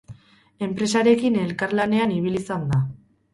Enpresarekin elkarlanean ibili izan da.